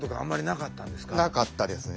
なかったですね。